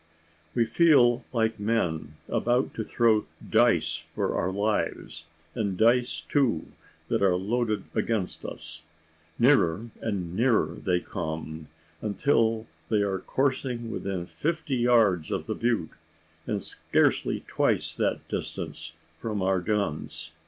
We feel like men about to throw dice for our lives, and dice too that are loaded against us! Nearer and nearer they come, until they are coursing within fifty yards of the butte, and scarcely twice that distance from our guns.